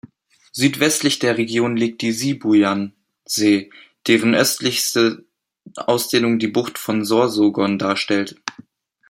Südwestlich der Region liegt die Sibuyan-See, deren östlichste Ausdehnung die Bucht von Sorsogon darstellt.